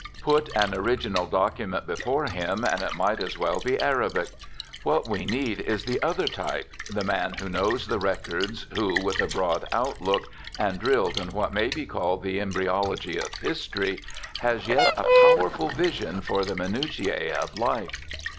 Put an original document before him, and it might as well be Arabic. What we need is the other type, the man who knows the records, who, with a broad outlook and drilled in what may be called the embryology of history, has yet a powerful vision for the minutiæ of life.